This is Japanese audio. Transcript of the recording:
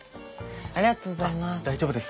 ありがとうございます。